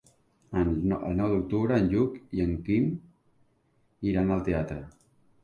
El nou d'octubre en Lluc i en Guim iran al teatre.